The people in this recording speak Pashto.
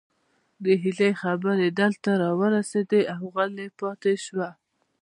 د هيلې خبرې دلته راورسيدې او غلې پاتې شوه